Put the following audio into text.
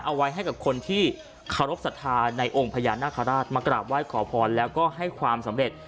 เอาไว้ให้กับคนที่เคารพสัทธาในองค์พญานาคาราชมากราบไหว้ขอพรแล้วก็ให้ความสำเร็จ